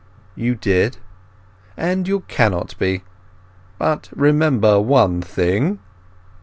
"You did." "And you cannot be. But remember one thing!"